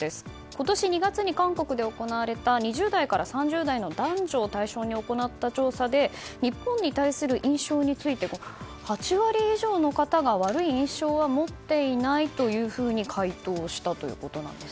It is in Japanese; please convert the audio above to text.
今年２月に韓国で行われた２０代から３０代の男女を対象に行った調査で日本に対する印象について８割以上の方が悪い印象は持っていないと回答したということです。